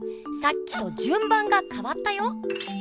さっきと順番がかわったよ。